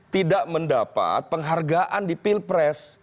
tidak mendapat penghargaan di pilpres